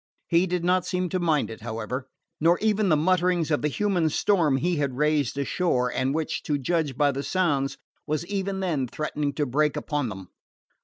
He did not seem to mind it, however, nor even the mutterings of the human storm he had raised ashore, and which, to judge by the sounds, was even then threatening to break upon them.